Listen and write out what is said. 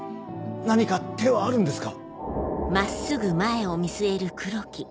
何か手はあるんですか？